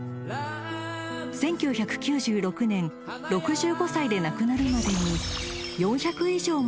［１９９６年６５歳で亡くなるまでに］